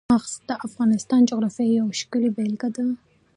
چار مغز د افغانستان د جغرافیې یوه ښه بېلګه ده.